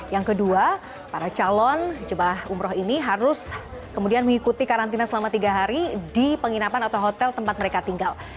yang kedua para calon jemaah umroh ini harus kemudian mengikuti karantina selama tiga hari di penginapan atau hotel tempat mereka tinggal